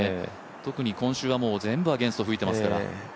特に今週は全部アゲンスト吹いていますから。